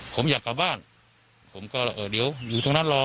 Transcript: ผมอยากกลับบ้านผมก็เออเดี๋ยวอยู่ทางนั้นรอ